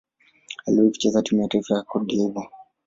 Aliwahi kucheza timu ya taifa ya Cote d'Ivoire.